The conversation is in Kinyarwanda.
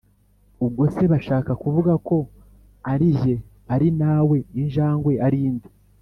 ubwo se bashaka kuvuga ko ari jye ari nawe injangwe ari nde?